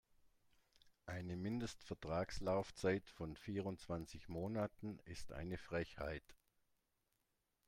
Eine Mindestvertragslaufzeit von vierundzwanzig Monaten ist eine Frechheit.